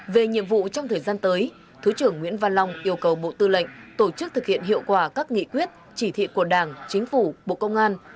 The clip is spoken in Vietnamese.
về nhiệm vụ trong thời gian tới thứ trưởng nguyễn văn long yêu cầu bộ tư lệnh tổ chức thực hiện hiệu quả các nghị quyết chỉ thị của đảng chính phủ bộ công an